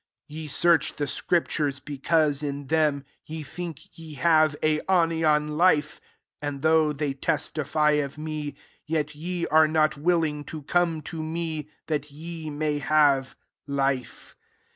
39 Ye search the scriptures, because in them ye think ye have aio nian life: and, though they tes tify of me, 40 yet ye are not willing to come to me, that ye may have life.